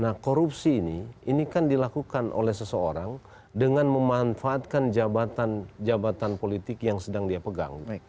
nah korupsi ini ini kan dilakukan oleh seseorang dengan memanfaatkan jabatan jabatan politik yang sedang dia pegang